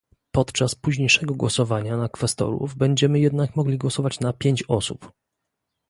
Podczas późniejszego głosowania na kwestorów będziemy jednak mogli głosować na pięć osób